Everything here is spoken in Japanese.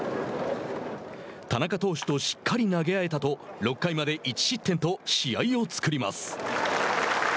田中投手としっかり投げ合えたと６回まで１失点と試合を作ります。